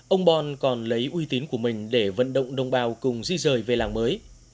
ông bon còn lấy uy tín của mình để vận động đồng bào cùng di rời về làng mới